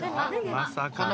まさかの？